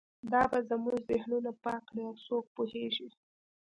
دا به زموږ ذهنونه پاک کړي او څوک پوهیږي